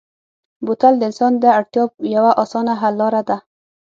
بوتل د انسان د اړتیا یوه اسانه حل لاره ده.